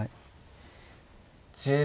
１０秒。